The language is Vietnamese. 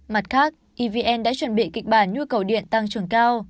mặt khác evn đã chuẩn bị kịch bản nhu cầu điện tăng trưởng cao